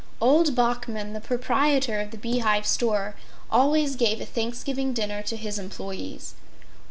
Old Bachman, the proprietor of the Bee Hive Store, always gave a Thanksgiving dinner to his employees.